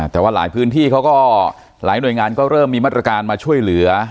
แต่ว่าหลายพื้นที่เขาก็หลายหน่วยงานก็เริ่มมีมาตรการมาช่วยเหลือ